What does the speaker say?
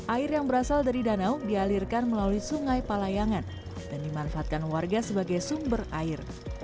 air yang berasal dari danau dialirkan melalui sungai palayangan dan dimanfaatkan warga sebagai sumber air